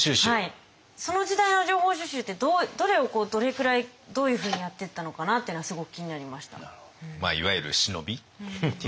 その時代の情報収集ってどれをどれくらいどういうふうにやってったのかなっていうのはすごく気になりました。